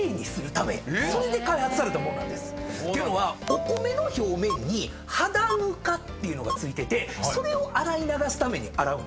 お米の表面に肌ぬかっていうのが付いててそれを洗い流すために洗うんですね。